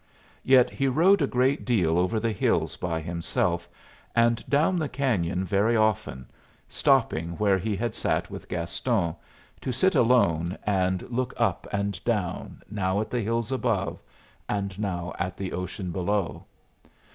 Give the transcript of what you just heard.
Yet he rode a great deal over the hills by himself, and down the canyon very often, stopping where he had sat with Gaston, to sit alone and look up and down, now at the hills above, and now at the ocean below.